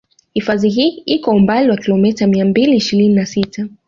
Hifadhi hii iko umbali wa kilometa mia mbili ishirini na sita